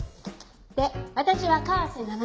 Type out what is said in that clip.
で私は川瀬七波。